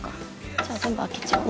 じゃあ全部開けちゃおう。